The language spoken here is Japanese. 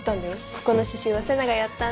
ここの刺繍は世奈がやったんだ